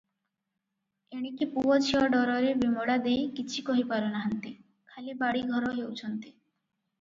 ଏଣିକି ପୁଅ ଝିଅ ଡରରେ ବିମଳା ଦେଈ କିଛି କହି ପାରୁନାହାନ୍ତି, ଖାଲି ବାଡ଼ି ଘର ହେଉଛନ୍ତି ।